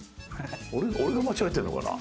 俺俺が間違えてるのかな？